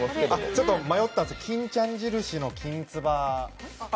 ちょっと迷ったんですけど、きんちゃん印のきんつば。